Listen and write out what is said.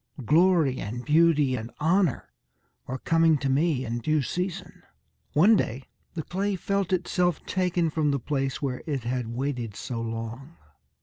Glory and beauty and honour are coming to me in due season." One day the clay felt itself taken from the place where it had waited so long.